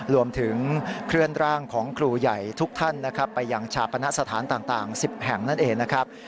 รวมถึงเคลื่อนร่างของครูใหญ่ทุกท่านนะครับไปยังชาปณะสถานต่าง๑๐แห่งนั่นเองนะครับ